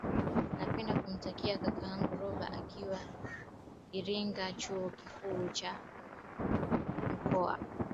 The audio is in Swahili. napenda kumtakia kakangu roba akiwa iringa chuo kikuu cha mkoa